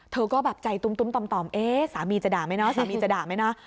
เธอก็ใจตุ๊มสามีจะด่าไหมนะ